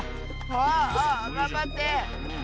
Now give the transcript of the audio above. ああああがんばって！